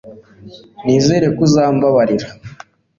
nizere ko uzambabarira